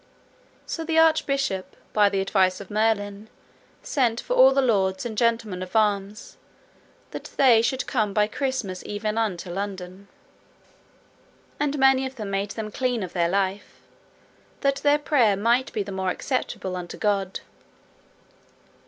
So the Archbishop, by the advice of Merlin, sent for all the lords and gentlemen of arms that they should come by Christmas even unto London. And many of them made them clean of their life, that their prayer might be the more acceptable unto God.